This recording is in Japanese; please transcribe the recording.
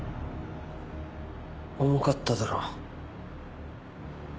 重かっただろ。